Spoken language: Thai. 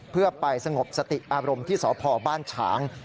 เพื่อไปสงบสติอารมณ์ที่สพบ้านฉาง